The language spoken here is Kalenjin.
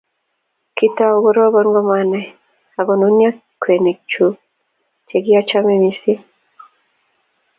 Kitou koroban kumanai akonunio kweinik chuk che kiachome mising